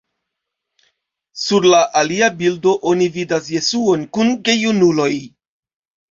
Sur la alia bildo oni vidas Jesuon kun gejunuloj.